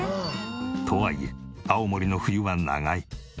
とはいえ青森の冬は長い。